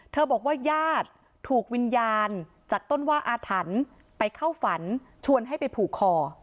บอกว่าญาติถูกวิญญาณจากต้นว่าอาถรรพ์ไปเข้าฝันชวนให้ไปผูกคอ